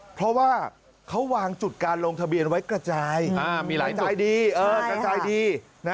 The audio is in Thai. เพราะว่าเขาวางจุดการลงทะเบียนไว้กระจายมีหลายจ่ายดีกระจายดี